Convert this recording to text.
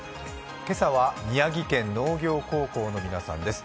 今朝は宮城県農業高校の皆さんです。